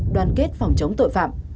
đoàn kết phòng chống tội phạm